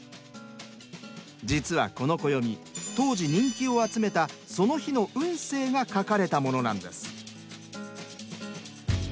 実はこの暦当時人気を集めたその日の運勢が書かれたものなんです。